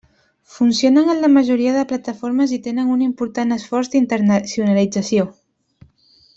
Funcionen en la majoria de plataformes i tenen un important esforç d'internacionalització.